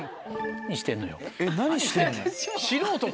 えっ何してんの？